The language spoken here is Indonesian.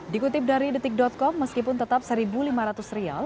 dikutip dari detik com meskipun tetap rp satu lima ratus